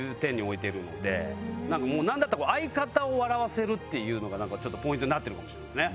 なんかもうなんだったら相方を笑わせるっていうのがポイントになってるかもしれませんね。